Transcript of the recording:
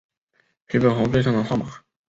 徐悲鸿最擅长画马。